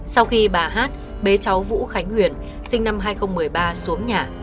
sau khi bà hát bế cháu vũ khánh huyền sinh năm hai nghìn một mươi ba xuống nhà